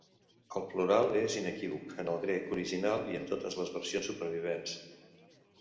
El plural és inequívoc en el grec original i en totes les versions supervivents.